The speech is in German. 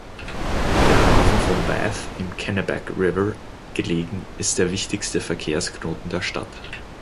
Der Hafen von Bath, im Kennebec River gelegen, ist der wichtigste Verkehrsknoten der Stadt.